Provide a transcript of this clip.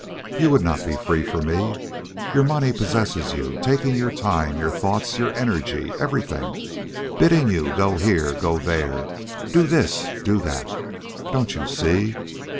You would not be free for me. Your money possesses you, taking your time, your thoughts, your energy, everything, bidding you go here and go there, do this and do that. Don't you see?